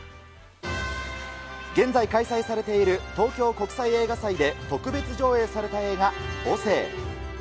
現在開催されている東京国際映画祭で、特別上映された映画、母性。